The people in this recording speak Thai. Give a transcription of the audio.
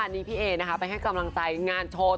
ที่พี่เอสุบชัยไปให้กำลังใจงานโชว์